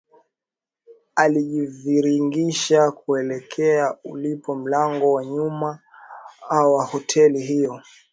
Alijiviringisha kuelekea ulipo mlango wa nyuma wa hoteli hiyo